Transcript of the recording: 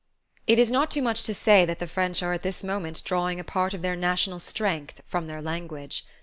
It is not too much to say that the French are at this moment drawing a part of their national strength from their language.